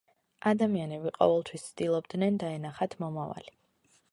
ადამიანები ყოველთვის ცდილობდნენ დაენახათ მომავალი.